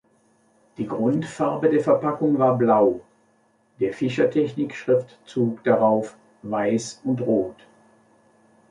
Die Grundfarbe der Verpackung war blau, der fischertechnik-Schriftzug darauf weiß und rot.